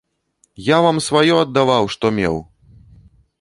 Я вам сваё аддаваў, што меў!